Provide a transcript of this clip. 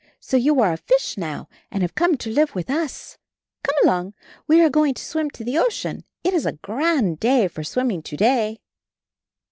So you are a fish now, and have come to live with us. Come along, we are going to swim to the ocean ; it is a grand day for swimming to day.